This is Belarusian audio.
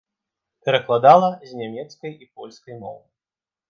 Перакладала з нямецкай і польскай моў.